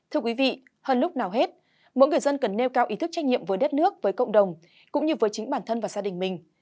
thưa quý vị hơn lúc nào hết mỗi người dân cần nêu cao ý thức trách nhiệm với đất nước với cộng đồng cũng như với chính bản thân và gia đình mình